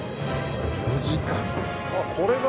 ４時間。